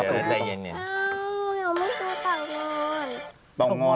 รีน่าจัง